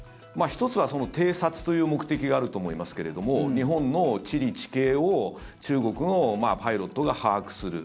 １つは偵察という目的があると思いますけれども日本の地理・地形を中国のパイロットが把握する。